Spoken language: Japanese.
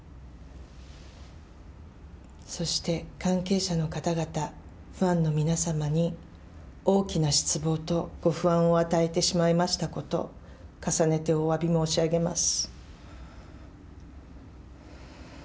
そして関係者の方々、ファンの皆様に大きな失望とご不安を与えてしまいましたこと、重ねておわび申し上げます。